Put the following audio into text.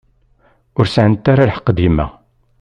Ur sεant ara lḥeqq dima.